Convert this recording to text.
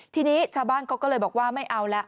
ทีนี้ชาวบ้านเขาก็เลยบอกว่าไม่เอาแล้ว